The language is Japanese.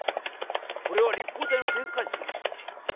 これは立方体の展開図だな。